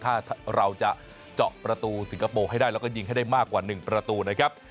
ถ้าเราจะเจาะประตูสิงคโปร์ให้ได้แล้วก็ยิงให้ได้มากกว่า๑ประตูนะครับ